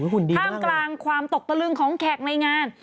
หุ่นดีมากเลยครับข้ามกลางความตกตระลึงของแขกในงาน